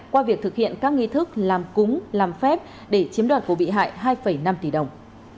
qua việc thực hiện các nghi thức làm cúng làm phép để chiếm đoạt của bị hại hai năm tỷ đồng